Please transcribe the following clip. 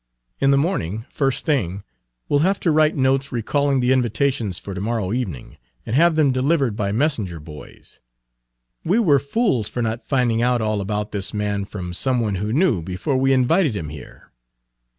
In the morning, first thing, we 'll have to write notes recalling the invitations for to morrow evening, and have them delivered by messenger boys. We were fools for not finding out all about this man from some one who knew, before we invited him here.